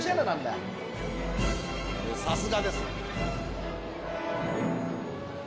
さすがですね。